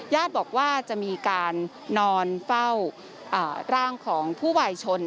ญาติบอกว่าจะมีการนอนเฝ้าร่างของผู้วายชน